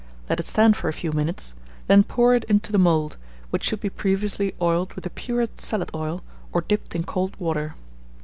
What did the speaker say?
Let it stand for a few minutes, then pour it into the mould, which should be previously oiled with the purest salad oil, or dipped in cold water.